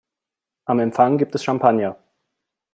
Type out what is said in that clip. Am Empfang gibt es Champagner.